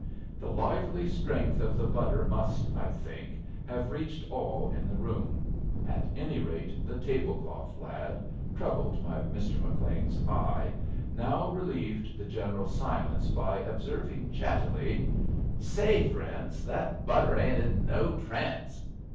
The lively strength of the butter must, I think, have reached all in the room; at any rate, the table cloth lad, troubled by Mr. McLean's eye, now relieved the general silence by observing, chattily: "Say, friends, that butter ain't in no trance."